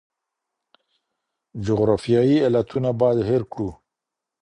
جغرافیایي علتونه باید هیر کړو.